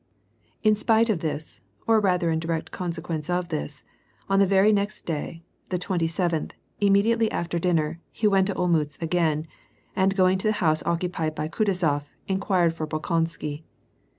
In spite of this, or rather in direct consequence of this, on the very next day, the twenty seventh, immediately after din ner, he went to Olmtltz again, and going to the house occupied by Kutuzof, inquired for Bolkonsky.